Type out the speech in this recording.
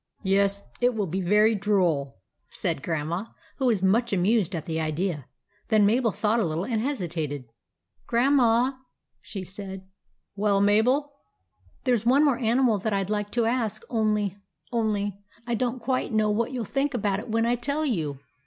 " Yes, it will be very droll," said Grandma, who was much amused at the idea. Then Mabel thought a little and hesitated. n8 THE ADVENTURES OF MABEL " Grandma," she said. " Well, Mabel ?" M There 's one more animal that I 'd like to ask, only — only — I don't quite know what you '11 think about it when I tell you."